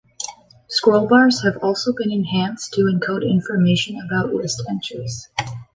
Scrollbars have also been enhanced to encode information about list entries.